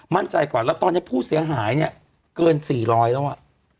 ก่อนแล้วตอนนี้ผู้เสียหายเนี่ยเกิน๔๐๐แล้วอ่ะ